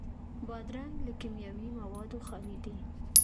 بادرنګ له کیمیاوي موادو خالي دی.